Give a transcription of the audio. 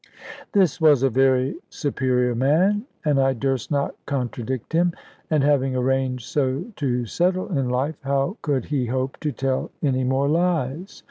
This was a very superior man, and I durst not contradict him; and having arranged so to settle in life, how could he hope to tell any more lies?